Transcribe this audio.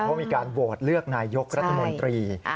เพราะมีการโหวตเลือกนายกรัฐมนตรี